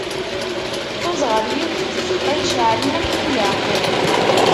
Tuz ɣer yiwet n tzeqqa iceɛlen akken ilaq.